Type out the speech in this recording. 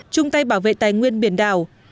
chung tay bảo vệ tài nguyên biển đảo